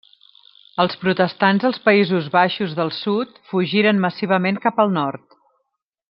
Els protestants als Països Baixos del sud fugiren massivament cap al nord.